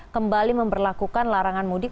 kembali memperlakukan larangan mudik